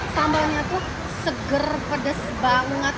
sambalnya tuh seger pedes banget